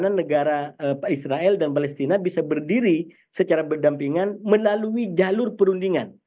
bagaimana negara pak israel dan palestina bisa berdiri secara berdampingan melalui jalur perundingan